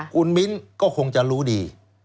คุณมิ้นก็คงจะรู้ดี